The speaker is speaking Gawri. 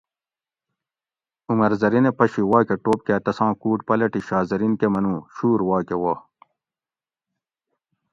"عمر زرینہ پشی واکہ ٹوپ کاۤ تساں کُوٹ پلٹی شاہ زرین کہ منو ""شُور واکہ وو"